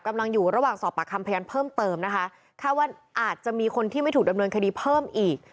กำลังอยู่ระหว่างสอบปากคำพยานเพิ่มเติมนะคะคาดว่าอาจจะมีคนที่ไม่ถูกดำเนินคดีเพิ่มอีก